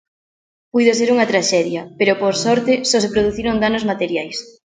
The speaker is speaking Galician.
Puido ser unha traxedia, pero por sorte só se produciron danos materiais.